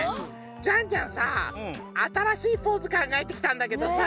ジャンジャンさあたらしいポーズかんがえてきたんだけどさ。